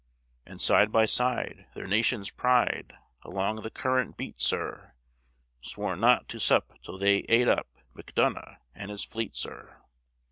And, side by side, their nation's pride Along the current beat, sir: Sworn not to sup till they ate up McDonough and his fleet, sir.